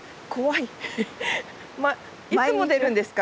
いつも出るんですか？